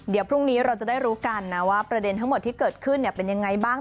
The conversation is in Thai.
เดี๋ยวพรุ่งนี้เราจะได้รู้กันนะว่าประเด็นทั้งหมดที่เกิดขึ้นเป็นยังไงบ้าง